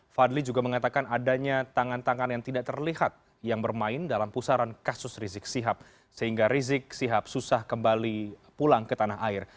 fadli juga mengatakan adanya tangan tangan yang tidak terlihat yang bermain dalam pusaran kasus rizik sihab sehingga rizik sihab susah kembali pulang ke tanah air